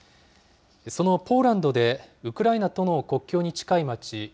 そのポーランドで、ウクライナとの国境に近い街